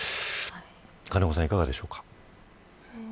金子さん、いかがですか。